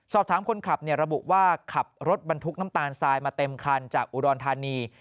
สอบถามคนขับระบุว่าขับรถบรรทุกน้ำตาลทรายมาเต็มคันจากอุดรธานี